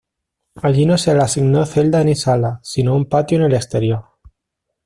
Allí no se le asignó celda ni sala, sino un patio en el exterior.